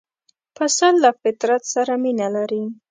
پسه له فطرت سره مینه لري.